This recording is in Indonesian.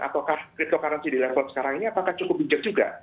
ataukah cryptocurrency di level sekarang ini apakah cukup bijak juga